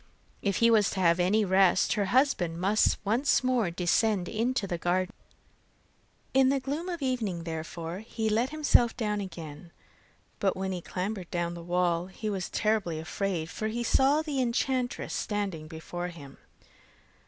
If he was to have any rest, her husband must once more descend into the garden. In the gloom of evening therefore, he let himself down again; but when he had clambered down the wall he was terribly afraid, for he saw the enchantress standing before him.